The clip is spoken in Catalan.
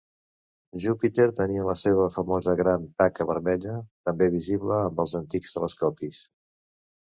Júpiter tenia la seva famosa Gran Taca Vermella, també visible amb els antics telescopis.